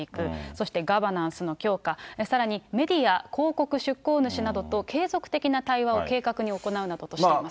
そしてガバナンスの強化、さらに、メディア、広告出稿主などと、継続的な対話を計画に行うなどしています。